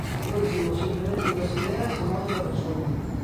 Por último, simplemente dúas ideas a modo de resumo.